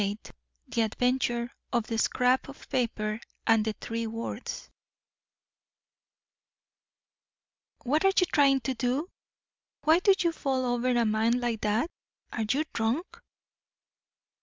XXVII THE ADVENTURE OF THE SCRAP OF PAPER AND THE THREE WORDS "What are you trying to do? Why do you fall over a man like that? Are you drunk?"